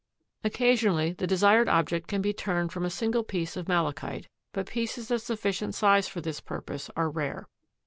Occasionally the desired object can be turned from a single piece of malachite, but pieces of sufficient size for this purpose are rare.